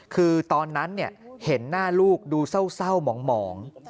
คือตอนนั้นเห็นหน้าลูกดูเศร้าหมอง